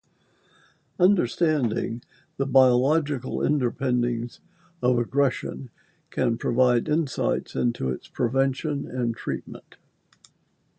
Understanding the biological underpinnings of aggression can provide insights into its prevention and treatment.